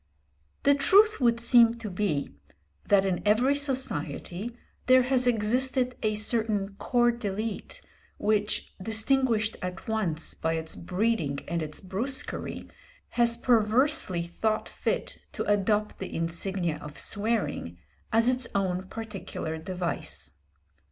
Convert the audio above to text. The truth would seem to be that in every society there has existed a certain corps d'élite, which, distinguished at once by its breeding and its brusquerie, has perversely thought fit to adopt the insignia of swearing as its own particular device.